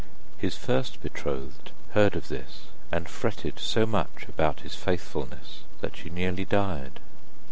His first betrothed heard of this, and fretted so much about his faithfulness that she nearly died.